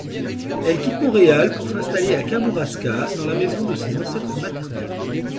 Elle quitte Montréal pour s'installer à Kamouraska, dans la maison de ses ancêtres maternels.